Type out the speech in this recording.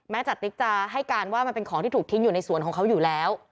จติ๊กจะให้การว่ามันเป็นของที่ถูกทิ้งอยู่ในสวนของเขาอยู่แล้ว